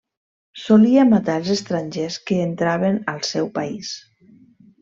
Solia matar els estrangers que entraven al seu país.